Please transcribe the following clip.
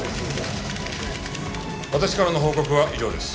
私からの報告は以上です。